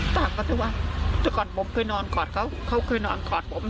ต่างกันแต่ว่าจากก่อนผมเคยนอนขอดเขาเขาเคยนอนขอดผม